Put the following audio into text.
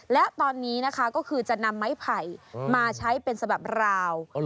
และตอนนี้นะคะก็คือจะนำไม้ไผ่มาใช้เป็นฉบับราว